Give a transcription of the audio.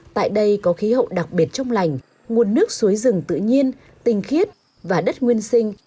tại đây có khí hậu đặc biệt trong lành nguồn nước suối rừng tự nhiên tinh khiết và đất nguyên sinh